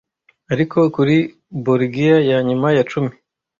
Ariko kuri Bolgiya yanyuma ya cumi